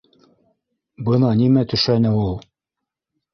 Бына нимә төшәне ул.